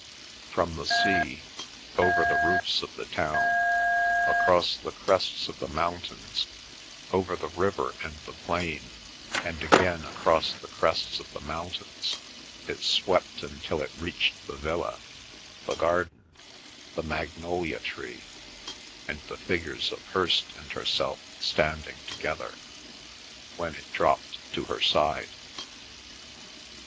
From the sea, over the roofs of the town, across the crests of the mountains, over the river and the plain, and again across the crests of the mountains it swept until it reached the villa, the garden, the magnolia tree, and the figures of Hirst and herself standing together, when it dropped to her side.